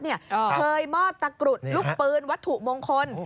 เคยมอบตะกรุดลูกปืนวัตถุมงคล